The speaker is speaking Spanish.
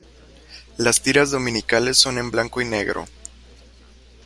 Las tiras dominicales son en blanco y negro.